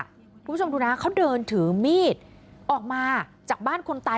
คุณผู้ชมดูนะเขาเดินถือมีดออกมาจากบ้านคนตาย